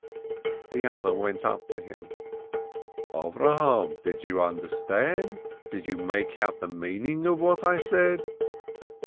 The other went up to him. "Avrohom, did you understand? Did you make out the meaning of what I said?